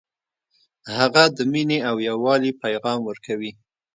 هغه د مینې او یووالي پیغام ورکوي